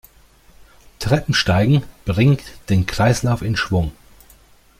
Treppensteigen bringt den Kreislauf in Schwung.